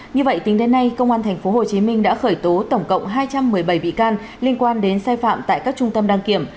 như vậy tính đến nay công an tp hcm đã khởi tố tổng cộng hai trăm một mươi bảy bị can liên quan đến sai phạm tại các trung tâm đăng kiểm